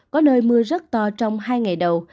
có nơi mưa rất to trong hai ngày đầu